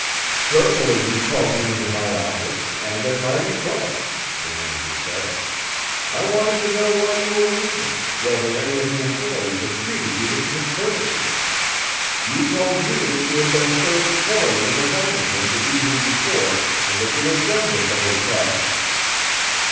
"Certainly he called you into my office, and at my request," the manager said. "I wanted to know why you were leaving, whether any of the employees had treated you with discourtesy. You told me that you had been served poorly in the dining room the evening before, and that you were done with the hotel!"